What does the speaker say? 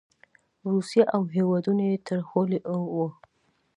روسیه او هېوادونه یې ترهولي وو.